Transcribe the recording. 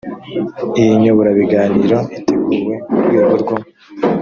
iyi nyoborabiganiro iteguwe mu rwego rwo